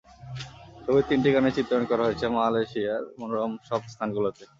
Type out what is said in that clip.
ছবির তিনটি গানের চিত্রায়ন করা হয়েছে মালয়েশিয়ার মনোরম সব স্থানগুলোতে।